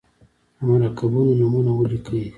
د مرکبونو نومونه ولیکئ.